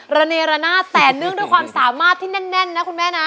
ระเนระนาดแต่เนื่องด้วยความสามารถที่แน่นนะคุณแม่นะ